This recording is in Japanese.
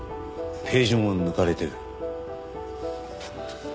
ページも抜かれている。